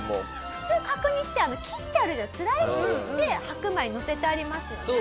普通角煮って切ってあるスライスして白米にのせてありますよね。